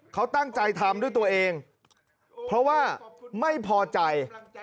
เขาตั้งใจทำด้วยตัวเองเพราะว่าไม่พอใจ